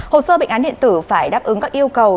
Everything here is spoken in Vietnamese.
hồ sơ bệnh án điện tử phải đáp ứng các yêu cầu